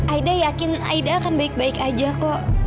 aida yakin aida akan baik baik aja kok